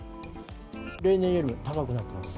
例年よりも高くなっています。